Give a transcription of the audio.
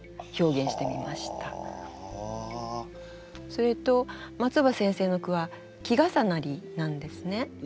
それと松尾葉先生の句は季重なりなんですね。